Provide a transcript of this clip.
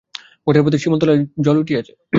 ঘাটের পথে শিমুল তলায় জল উঠিয়াছে।